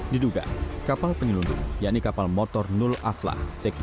diduga kapal penyelundup yakni kapal motor nur aflah